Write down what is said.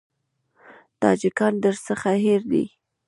تاجکان درڅخه هېر دي.